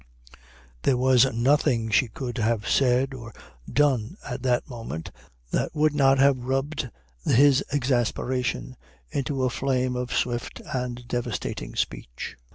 There was nothing she could have said or done at that moment that would not have rubbed his exasperation into a flame of swift and devastating speech.